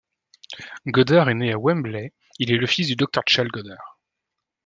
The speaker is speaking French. Goddard est né à Wembley, il est le fils du Dr Charles Goddard.